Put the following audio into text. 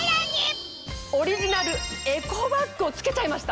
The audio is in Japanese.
オリジナルエコバッグを付けちゃいました。